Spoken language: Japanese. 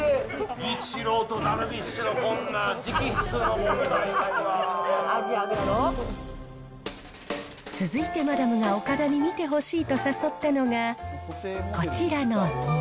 イチローとダルビッシュのこんな、続いてマダムが岡田に見てほしいと誘ったのが、こちらの庭。